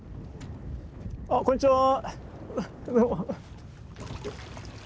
こんにちは。